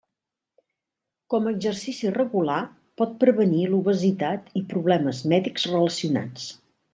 Com a exercici regular, pot prevenir l'obesitat i problemes mèdics relacionats.